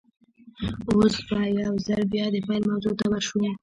اوس به يوځل بيا د پيل موضوع ته ور شو.